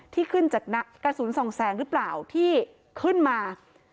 ที่ขึ้นจากกระสุนสองแสงหรือเปล่าที่ขึ้นมา